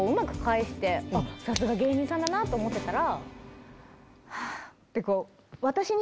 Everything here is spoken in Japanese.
さすが芸人さんだなと思ってたら。